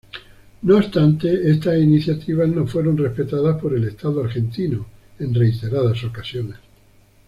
No obstante, estas iniciativas no fueron respetadas por el Estado argentino en reiteradas ocasiones.